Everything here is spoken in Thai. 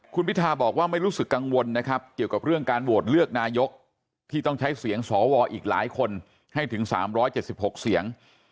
คุณพิทาบอกว่าไม่รู้สึกกังวลนะครับเกี่ยวกับเรื่องการโหวตเลือกนายกที่ต้องใช้เสียงสวอีกหลายคนให้ถึง๓๗๖เสียง